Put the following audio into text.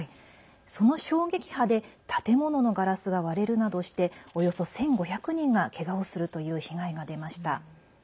その衝撃波で建物のガラスが割れるなどしておよそ１５００人がけがをするという被害が出ました。